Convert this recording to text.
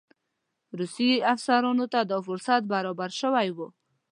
روسي افسرانو ته دا فرصت برابر شوی وو.